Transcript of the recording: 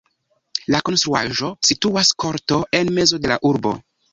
La konstruaĵo situas korto en mezo de la urbo.